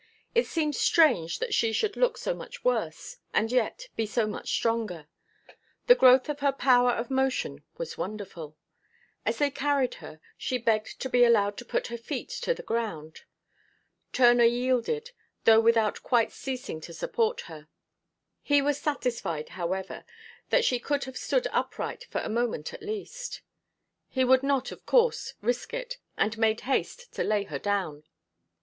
It seemed strange that she should look so much worse, and yet be so much stronger. The growth of her power of motion was wonderful. As they carried her, she begged to be allowed to put her feet to the ground. Turner yielded, though without quite ceasing to support her. He was satisfied, however, that she could have stood upright for a moment at least. He would not, of course, risk it, and made haste to lay her down.